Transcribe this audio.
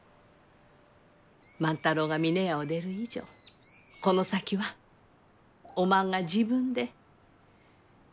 万太郎が峰屋を出る以上この先はおまんが自分で決めたらえい。